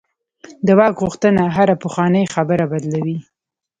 د واک غوښتنه هره پخوانۍ خبره بدلوي.